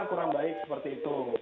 kurang baik seperti itu